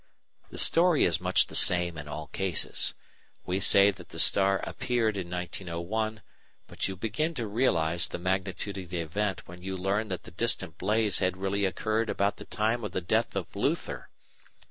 The story is much the same in all cases. We say that the star appeared in 1901, but you begin to realise the magnitude of the event when you learn that the distant "blaze" had really occurred about the time of the death of Luther!